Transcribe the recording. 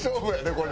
これ。